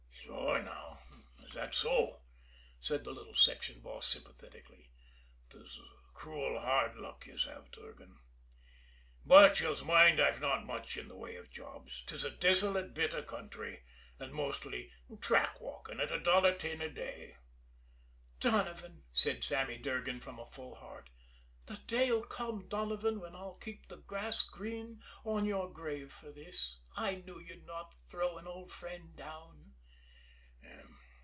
"Sure now, is thot so?" said the little section boss sympathetically. "'Tis cruel harrd luck yez have, Durgan. But yez'll moind I've not much in the way av jobs 'tis a desolate bit av country, an' mostly track walkin' at a dollar tin a day." "Donovan," said Sammy Durgan from a full heart, "the day'll come, Donovan, when I'll keep the grass green on your grave for this. I knew you'd not throw an old friend down."